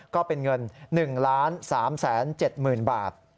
ก็เป็นเงิน๑๓๗๐๐๐บาท